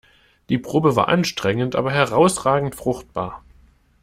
Die Probe war anstrengend aber herausragend fruchtbar.